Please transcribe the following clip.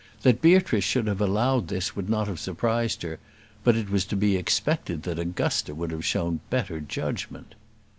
That Beatrice should have allowed this would not have surprised her; but it was to be expected that Augusta would have shown better judgment.